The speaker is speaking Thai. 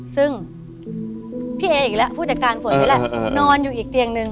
ซึ่งพี่เอ๋อีกแล้วผู้จัดการฝนอีกแล้วเออเออเออนอนอยู่อีกเตียงนึง